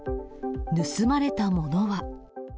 盗まれたものは。